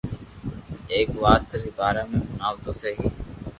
ايڪ وات ري بارا ۾ ھڻاو تو سھي